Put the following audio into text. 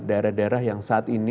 daerah daerah yang saat ini